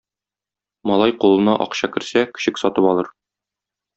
Малай кулына акча керсә, көчек сатып алыр.